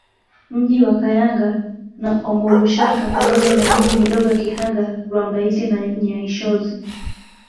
Mji wa Kayanga na Omurushaka pamoja na miji midogo ya Kihanga Rwambaizi na Nyaishozi